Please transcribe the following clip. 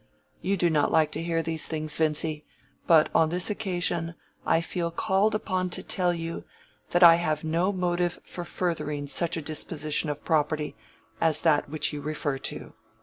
You do not like to hear these things, Vincy, but on this occasion I feel called upon to tell you that I have no motive for furthering such a disposition of property as that which you refer to.